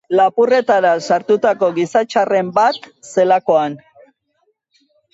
Lapurretara sartutako gizatxarren bat zelakoan.